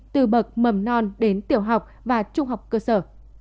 từ bậc mầm non đến tiểu học và trung học cơ sở